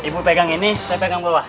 ibu pegang ini saya pegang bawah